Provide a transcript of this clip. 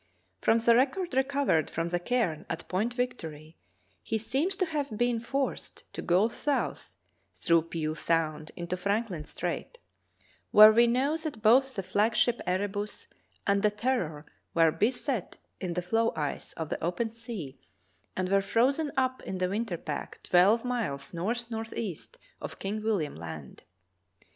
From the record re covered from the cairn at Point Victory, he seems to have been forced to go south through Peel Sound into Franklin Strait, where we know that both the flag ship Erebus and the Terror were beset in the floe ice of the open sea and were frozen up in the winter pack twelve miles north northwest of King William Land.